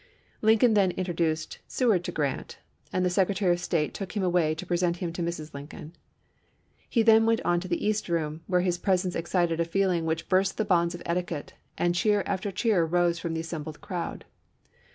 Lincoln then introduced Seward to Grant, and the Secretary of State took him away to present him to Mrs. Lincoln. He then went on to the East Room, where his presence excited a feeling which burst the bonds of etiquette, and cheer after cheer rose from the assembled crowd.